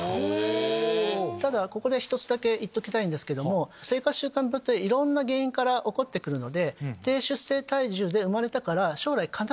ただここで１つだけ言っときたいんですけども生活習慣病っていろんな原因から起こって来るので。